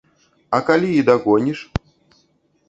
А калі і дагоніш?